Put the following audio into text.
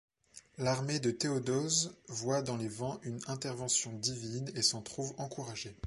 L'armée de Théodose voit dans les vents une intervention divine et s'en trouve encouragée.